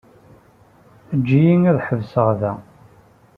Ejj-iyi ad ḥebseɣ da.